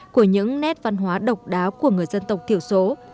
của những nét văn hóa độc đáo của người dân tộc thiểu số